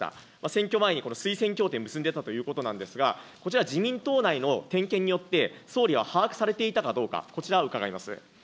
選挙前にこの推薦協定を結んでいたということなんですが、こちら自民党内の点検によって、総理は把握されていたかどうか、こちらを伺います。